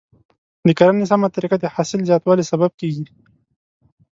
د کرنې سمه طریقه د حاصل زیاتوالي سبب کیږي.